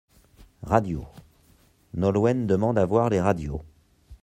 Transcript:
Radio : Nolwenn demande à voir les radios.